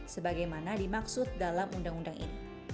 sebagaimana dimaksud dalam undang undang ini